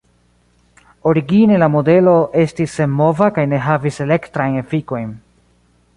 Origine la modelo estis senmova kaj ne havis elektrajn efikojn.